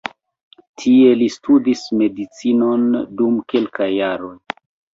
Tie li studis medicinon dum kelkaj jaroj.